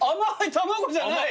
卵じゃない。